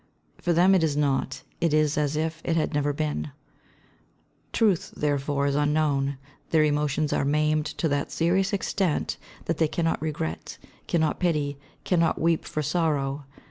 For them it is not, it is as if it had never been. Ruth, therefore, is unknown, their emotions are maimed to that serious extent that they cannot regret, cannot pity, cannot weep for sorrow.